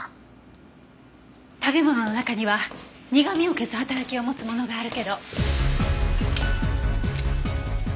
食べ物の中には苦味を消す働きを持つものがあるけど。